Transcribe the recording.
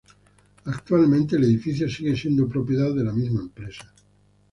Actualmente el edificio sigue siendo propiedad de la misma empresa.